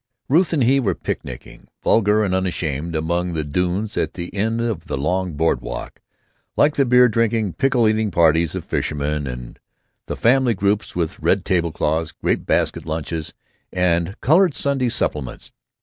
Ruth and he were picnicking, vulgar and unashamed, among the dunes at the end of the long board walk, like the beer drinking, pickle eating parties of fishermen and the family groups with red table cloths, grape basket lunches, and colored Sunday supplements.